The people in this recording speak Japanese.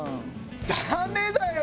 ダメだよ！